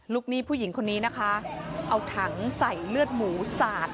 หนี้ผู้หญิงคนนี้นะคะเอาถังใส่เลือดหมูสาด